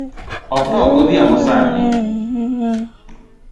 Otho godhiambo sani